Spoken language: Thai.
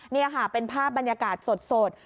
นี่ค่ะเป็นภาพบรรยากาศสด